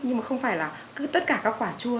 nhưng mà không phải là cứ tất cả các quả chua